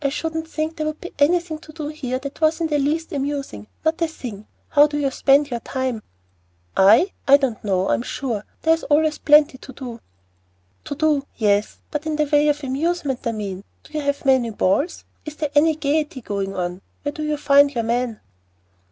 I shouldn't think there would be anything to do here that was in the least amusing, not a thing. How do you spend your time?" "I? I don't know, I'm sure. There's always plenty to do." "To do, yes; but in the way of amusement, I mean. Do you have many balls? Is there any gayety going on? Where do you find your men?"